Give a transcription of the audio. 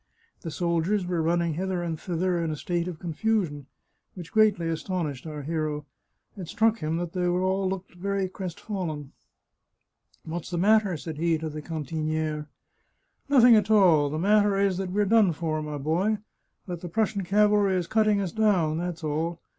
The soldiers were running hither and thither in a state of confusion, which greatly astonished our hero. It struck him that they all looked very crestfallen. " What's the matter ?" said he to the cantinihe. " Nothing at all. The matter is that we're done for, my boy ; that the Prussian cavalry is cutting us down — that's all.